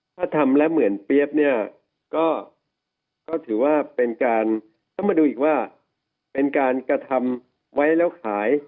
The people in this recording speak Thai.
ถ้าทำแล้วเหมือนเปี๊ยบเนี่ยก็ถือว่าเป็นการต้องมาดูอีกว่าเป็นการกระทำไว้แล้วขาย